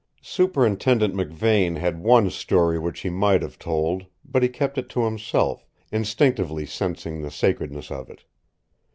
Superintendent Me Vane had one story which he might have told, but he kept it to himself, instinctively sensing the sacredness of it.